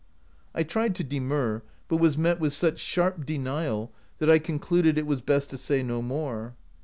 I tried to demur, but was met with such sharp denial, that I concluded it was best to say no more.